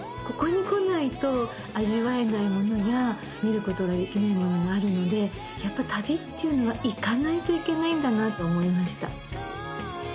ここに来ないと味わえないものや見ることができないものがあるので旅っていうのは行かないといけないんだなと思いました。